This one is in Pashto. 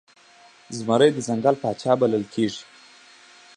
زمری د ځنګل پاچا بلل کېږي.